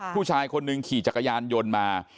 ผู้ชายคนหนึ่งขี่จักรยานยนต์มา